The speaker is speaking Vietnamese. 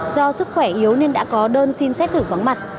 do sức khỏe yếu nên đã có đơn xin xét xử vắng mặt